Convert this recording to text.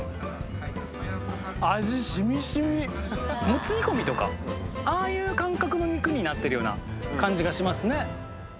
モツ煮込みとかああいう感覚の肉になってるような感じがしますね